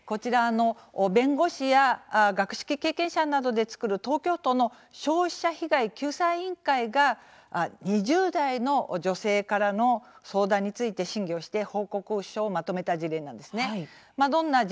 弁護士や学識経験者などで作る東京都の消費者被害救済委員会が２０代の女性からの相談について審議をし報告書をまとめた事例です。